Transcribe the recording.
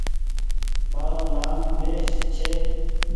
مآرو نآم مهيش ڇي۔